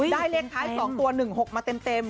ได้เลขคล้าย๒ตัว๑๖มาเต็ม